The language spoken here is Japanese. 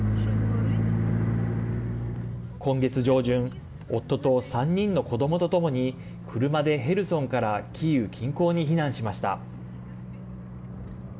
今月上旬夫と３人の子どもとともに車でヘルソンからキーウ近郊に避難しました。